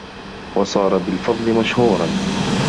وَصَارَ بِالْفَضْلِ مَشْهُورًا